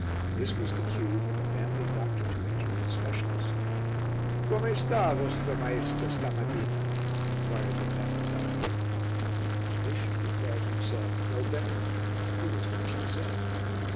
This was the cue for the family doctor to enter with a specialist. "Come sta vostra Maiesta stamattina?" inquired the family doctor, and the patient declared himself no better he was much the same.